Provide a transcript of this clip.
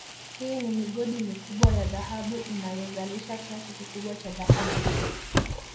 Hii ni migodi mikubwa ya dhahabu inayozalisha kiasi kikubwa cha dhahabu